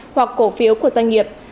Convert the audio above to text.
hoặc cổ phiếu của doanh nghiệp